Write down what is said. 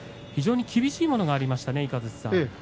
非常に厳しいものがありましたね。